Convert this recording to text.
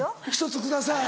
１つください。